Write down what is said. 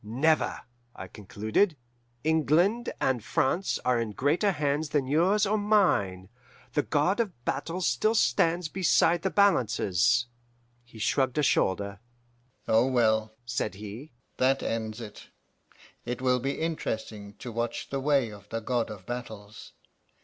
"'Never,' I concluded. 'England and France are in greater hands than yours or mine. The God of battles still stands beside the balances.' "He shrugged a shoulder. 'Oh well,' said he, 'that ends it. It will be interesting to watch the way of the God of battles.